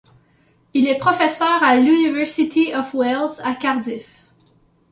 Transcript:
Il est professeur à l'University of Wales à Cardiff.